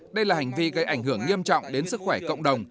đây là hành vi gây ảnh hưởng nghiêm trọng đến sức khỏe cộng đồng